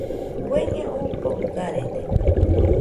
Bueñe oo ɨfogɨ garede.